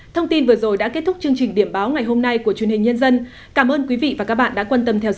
thông tin vừa rồi đã kết thúc chương trình điểm báo ngày hôm nay của chuyên hình nhân dân